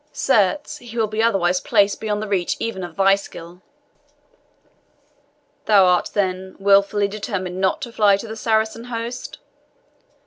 Certes, he will be otherwise placed beyond the reach even of thy skill." "Thou art, then, wilfully determined not to fly to the Saracen host?"